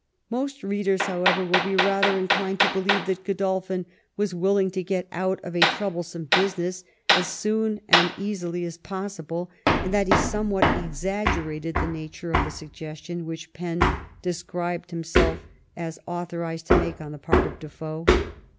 Most readers, however, will be rather inclined to believe that Qodolphin was willing to get out of a troublesome business as soon and easily as possible, and that he somewhat exaggerated the nature of the suggestion which Penn described himself as authorized to make on the part of Defoe.